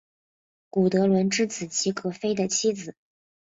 古德伦之子齐格菲的妻子。